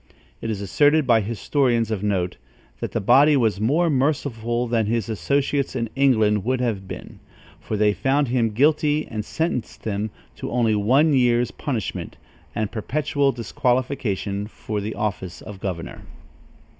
It is asserted by historians of note, that that body was more merciful than his associates in England would have been, for they found him guilty and sentenced him to only one year's punishment and perpetual disqualification for the office of governor.